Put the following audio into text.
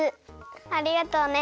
ありがとうね。